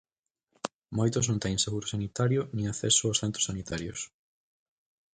Moitos non teñen seguro sanitario nin acceso aos centros sanitarios.